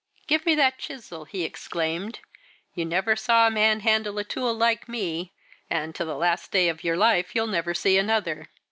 "Give me that chisel," he exclaimed. "You never saw a man handle a tool like me and to the last day of your life you'll never see another.